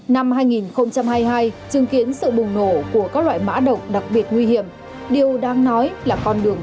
năm hai nghìn hai mươi hai chứng kiến sự bùng nổ của các loại mã độc đặc biệt nguy hiểm điều đáng nói là con đường